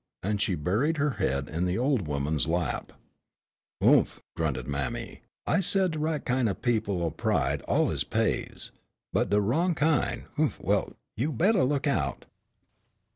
and she buried her head in the old woman's lap. "Oomph," grunted mammy, "I said de right kin' o' pride allus pays. But de wrong kin' oomph, well, you'd bettah look out!"